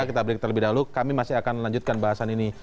kita break terlebih dahulu kami masih akan lanjutkan bahasan ini